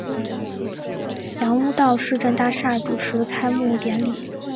杨屋道市政大厦主持开幕典礼。